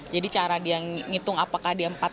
jadi cara dia ngitung apakah dia empat enam